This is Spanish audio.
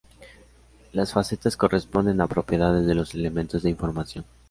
Las facetas corresponden a propiedades de los elementos de información.